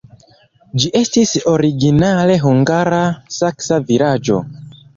Ĝi estis originale hungara-saksa vilaĝo.